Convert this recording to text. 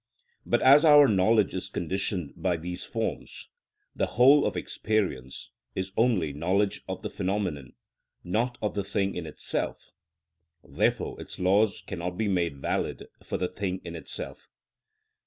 But as our knowledge is conditioned by these forms, the whole of experience is only knowledge of the phenomenon, not of the thing in itself; therefore its laws cannot be made valid for the thing in itself.